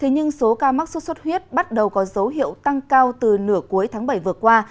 nhưng số ca mắc sốt xuất huyết bắt đầu có dấu hiệu tăng cao từ nửa cuối tháng bảy vừa qua